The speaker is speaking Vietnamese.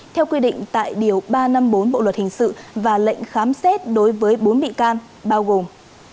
theo quy định tại điều ba trăm năm mươi bốn bộ luật hình sự và lệnh khám xét đối với bốn bị can bao gồm